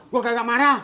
gue kagak marah